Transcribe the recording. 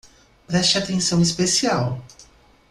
Preste atenção especial